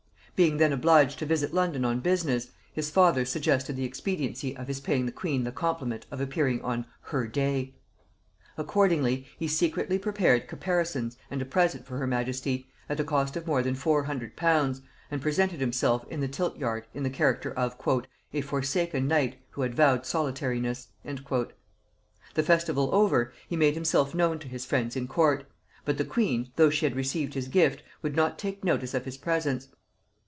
Being then obliged to visit London on business, his father suggested the expediency of his paying the queen the compliment of appearing on her day. Accordingly, he secretly prepared caparisons and a present for her majesty, at the cost of more than four hundred pounds, and presented himself in the tilt yard in the character of "a forsaken knight who had vowed solitariness." The festival over, he made himself known to his friends in court; but the queen, though she had received his gift, would not take notice of his presence.